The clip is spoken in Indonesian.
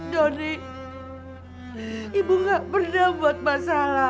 doni ibu gak pernah buat masalah